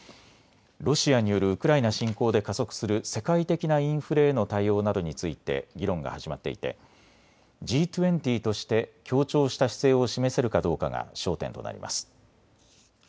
ロシアによるウクライナ侵攻で加速する世界的なインフレへの対応などについて議論が始まっていてＧ２０として協調した姿勢を示せるかどうかが焦点となります。